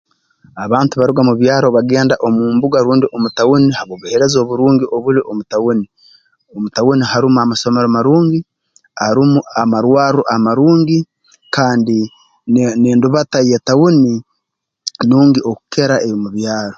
Abantu baruga mu byaro bagenda omu mbuga rundi omu tauni habw'obuheereza oburungi obuli omu tauni mu tauni harumu amasomero marungi arumu amarwarro amarungi kandi ne n'endubata y'etauni nungi okukira ey'omu byaro